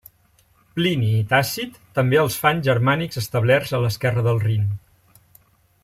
Plini i Tàcit també els fan germànics establerts a l'esquerra del Rin.